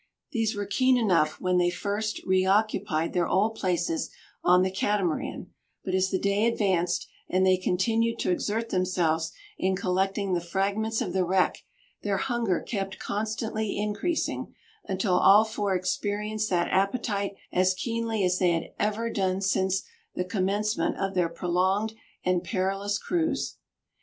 These were keen enough when they first reoccupied their old places on the Catamaran; but as the day advanced, and they continued to exert themselves in collecting the fragments of the wreck, their hunger kept constantly increasing, until all four experienced that appetite as keenly as they had ever done since the commencement of their prolonged and perilous "cruise."